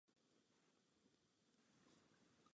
Sdílí je mnoho našich kolegů z jiných politických skupin.